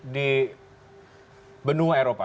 di benua eropa